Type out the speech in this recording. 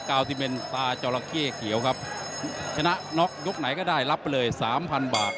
กาวทิเมนตาจอลาเก้เขียวครับชนะน็อกยุคไหนก็ได้รับเลย๓๐๐๐บาท